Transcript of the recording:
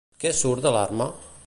Què surt de l'arma?